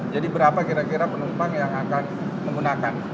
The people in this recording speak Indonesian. jadi berapa kira kira penumpang yang akan menggunakan